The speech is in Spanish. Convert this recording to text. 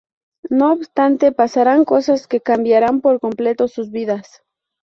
No obstante pasarán cosas que cambiarán por completo sus vidas.